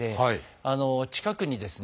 近くにですね